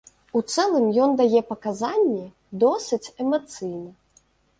У цэлым ён дае паказанні досыць эмацыйна.